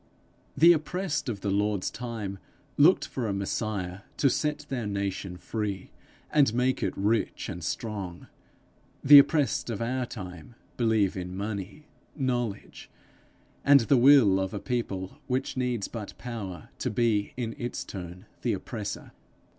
The oppressed of the Lord's time looked for a Messiah to set their nation free, and make it rich and strong; the oppressed of our time believe in money, knowledge, and the will of a people which needs but power to be in its turn the oppressor.